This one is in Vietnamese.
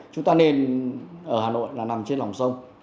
chúng ta nên ở hà nội là nằm trên lòng sông